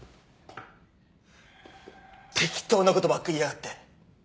適当なことばっか言いやがって。